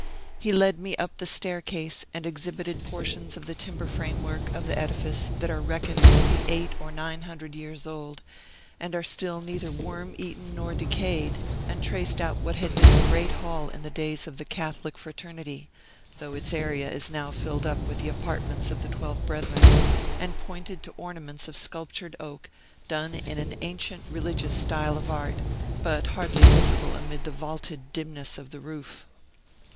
He led me up the staircase and exhibited portions of the timber framework of the edifice that are reckoned to be eight or nine hundred years old, and are still neither worm eaten nor decayed; and traced out what had been a great hall in the days of the Catholic fraternity, though its area is now filled up with the apartments of the twelve brethren; and pointed to ornaments of sculptured oak, done in an ancient religious style of art, but hardly visible amid the vaulted dimness of the roof.